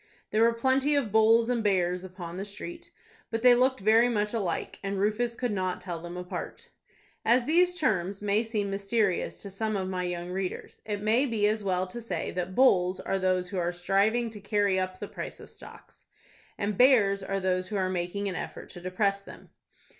There were plenty of bulls and bears upon the street; but they looked very much alike, and Rufus could not tell them apart. As these terms may seem mysterious to some of my young readers, it may be as well to say that "bulls" are those who are striving to carry up the price of stocks, and "bears" are those who are making an effort to depress them.